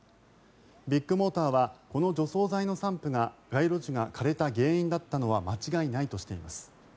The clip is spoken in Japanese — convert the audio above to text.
ビッグモーターはこの除草剤の散布が街路樹が枯れた原因だったのは間違いないとしています。